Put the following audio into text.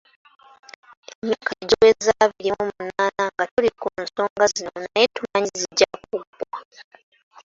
Emyaka giweze abiri mu munaana nga tuli ku nsonga zino naye tumanyi zijja kuggwa